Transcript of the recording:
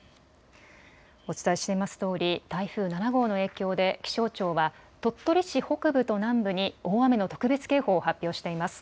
お伝えしていますとおり、台風７号の影響で、気象庁は、鳥取市北部と南部に大雨の特別警報を発表しています。